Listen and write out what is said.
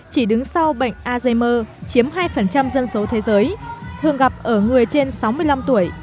chỉ đứng sau bệnh alzheimer chiếm hai dân số thế giới thường gặp ở người trên sáu mươi năm tuổi